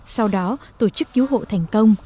sau đó tổ chức cứu hộ thành công